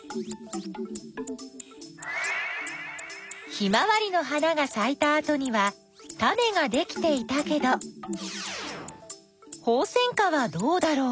ヒマワリの花がさいたあとにはタネができていたけどホウセンカはどうだろう？